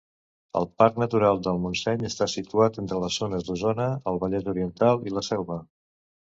El Parc Natural del Montseny està situat entre les zones d'Osona, el Vallès Oriental i la Selva.